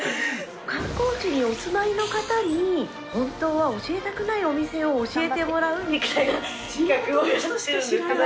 観光地にお住まいの方に本当は教えたくないお店を教えてもらうみたいな企画をやってるんですけど。